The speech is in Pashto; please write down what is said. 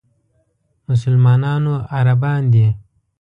مسلمانانو عربان دي.